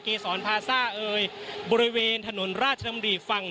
สอนพาซ่าเอ่ยบริเวณถนนราชดำริฝั่ง